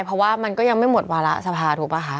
เพราะว่ามันก็ยังไม่หมดวาระสภาถูกป่ะคะ